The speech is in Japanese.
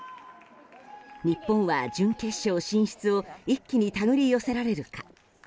日本は準決勝進出を一気に手繰り寄せられるか。